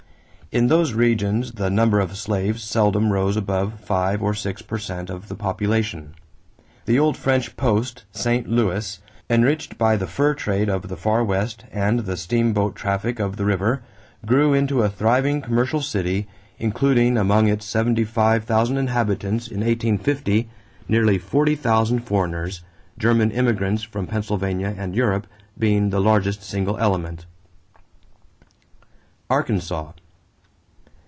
In those regions the number of slaves seldom rose above five or six per cent of the population. The old French post, St. Louis, enriched by the fur trade of the Far West and the steamboat traffic of the river, grew into a thriving commercial city, including among its seventy five thousand inhabitants in 1850 nearly forty thousand foreigners, German immigrants from Pennsylvania and Europe being the largest single element. =Arkansas.